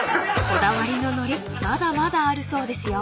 ［こだわりののりまだまだあるそうですよ］